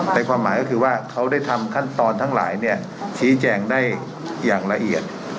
แต่ความหมายก็คือว่าเขาได้ทำขั้นตอนทั้งหลายชี้แจงได้อย่างละเอียด